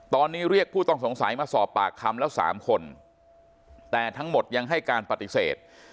ตอนนี้เรียกผู้ต้องสงสัยมาสอบปากคำแล้ว๓คนแต่ทั้งหมดยังให้การปฏิเสธ